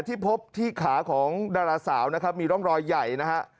ที่พบที่ขาของดาราสาวนะครับมีร่องรอยใหญ่นะฮะ